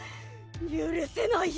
許せない！